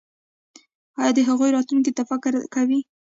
ایا د هغوی راتلونکي ته فکر کوئ؟